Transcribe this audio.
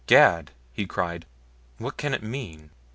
"Gad!" he cried. "What can it mean?